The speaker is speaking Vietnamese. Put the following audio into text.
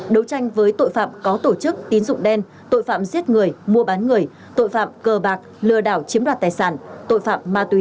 đấu tranh với tội phạm có tổ chức tín dụng đen tội phạm giết người mua bán người tội phạm cờ bạc lừa đảo chiếm đoạt tài sản tội phạm ma túy